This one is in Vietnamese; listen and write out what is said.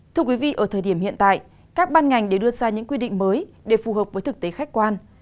thưa quý vị ở thời điểm hiện tại các ban ngành đều đưa ra những quy định mới để phù hợp với thực tế khách quan